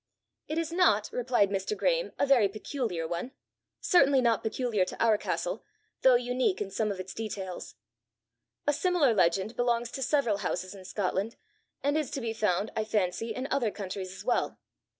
"It is not," replied Mr. Graeme, "a very peculiar one certainly not peculiar to our castle, though unique in some of its details; a similar legend belongs to several houses in Scotland, and is to be found, I fancy, in other countries as well.